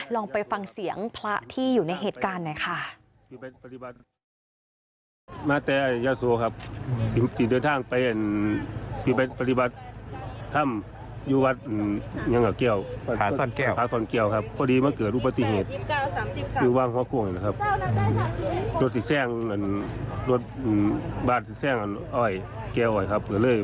ลองไปฟังเสียงพระที่อยู่ในเหตุการณ์หน่อยค่ะ